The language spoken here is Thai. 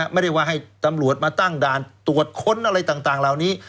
ไม่ได้ว่าให้ตำรวจมาตั้งด่านตรวจค้นอะไรต่างเหล่านี้